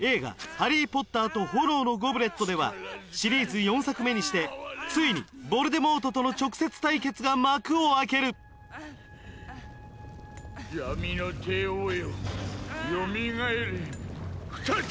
「ハリー・ポッターと炎のゴブレット」ではシリーズ４作目にしてついにヴォルデモートとの直接対決が幕を開ける闇の帝王よよみがえれ再び！